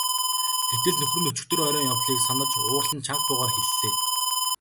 Гэтэл нөхөр нь өчигдөр оройн явдлыг санаж уурлан чанга дуугаар хэллээ.